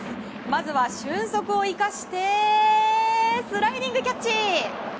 まずは俊足を生かしてスライディングキャッチ！